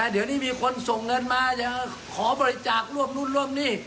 เดี๋ยวนี้มีคนส่งเงินมาจะขอบริจาคร่วมนู่นร่วมนี่